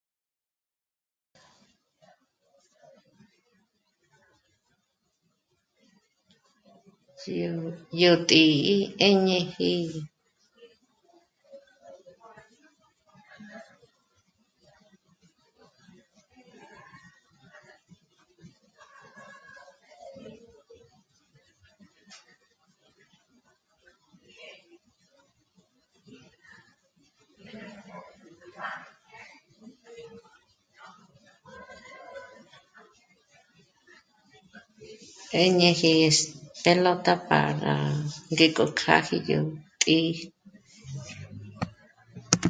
Yó t'ǐ'i 'éñeji 'esténóta'a pára ngéko kjáji yó t'ǐ'i